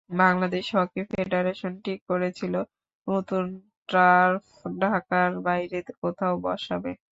Bangladesh hockey federation ঠিক করেছিল নতুন টার্ফ ঢাকার বাইরে কোথাও বসাবে।